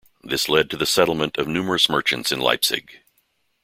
This led to the settlement of numerous merchants in Leipzig.